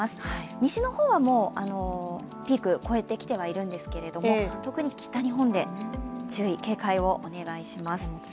西の方はピークを越えてきてはいるんですけれども、特に北日本で注意・警戒をお願いします。